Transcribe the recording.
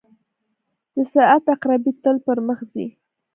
• د ساعت عقربې تل پر مخ ځي.